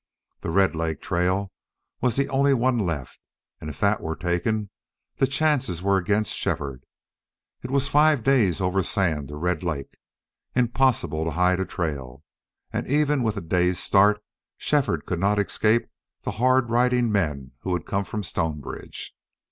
The Red Lake trail was the only one left, and if that were taken the chances were against Shefford. It was five days over sand to Red Lake impossible to hide a trail and even with a day's start Shefford could not escape the hard riding men who would come from Stonebridge.